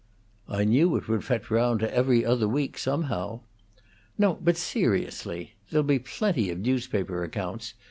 "I knew it would fetch round to 'Every Other Week,' somehow." "No, but seriously. There'll be plenty of newspaper accounts.